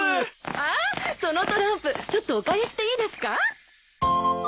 あっそのトランプちょっとお借りしていいですか？